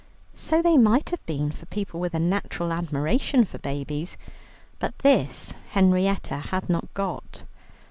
So they might have been for people with a natural admiration for babies, but this Henrietta had not got.